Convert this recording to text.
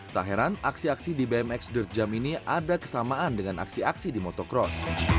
tak heran aksi aksi di bmx derd jump ini ada kesamaan dengan aksi aksi di motocross